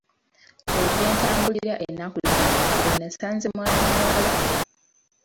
Eyo gye ntambulira ennaku zino gyenasanze mwana muwala.